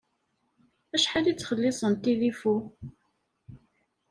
Acḥal i ttxelliṣen tilifu?